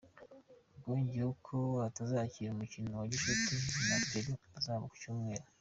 Bwongeyeho ko atazakina umukino wa gicuti na Peru uzaba ku cyumweru.